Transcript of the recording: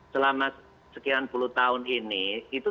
selama sekian puluh tahun ini itu